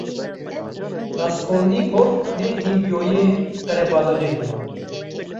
Raskolnîkov ne hînbûyiyê qelebalixê bû.